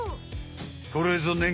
これぞねん